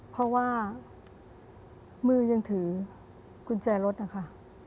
เพราะว่ามือยังถือกุญแจรถนะคะ